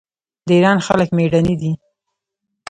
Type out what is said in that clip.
د ایران خلک میړني دي.